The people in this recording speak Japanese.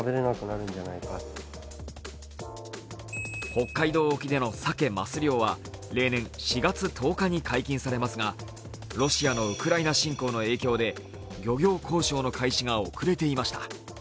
北海道沖でのサケ・マス漁は、例年４月１０日に解禁されますがロシアのウクライナ侵攻の影響で漁業交渉の開始が遅れていました。